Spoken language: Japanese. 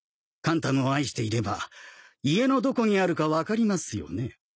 カンタムを愛していれば家のどこにあるかわかりますよね？